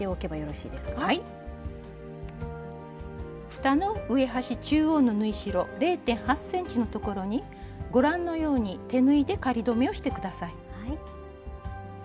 ふたの上端中央の縫い代０．８ｃｍのところにご覧のように手縫いで仮留めをして下さい。